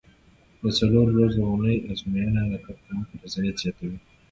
د څلورو ورځو اونۍ ازموینه د کارکوونکو رضایت زیاتوي.